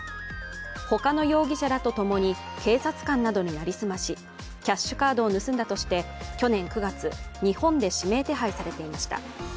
他の容疑者らとともに警察官などに成り済まし、キャッシュカードを盗んだとして去年９月、日本で指名手配されていました。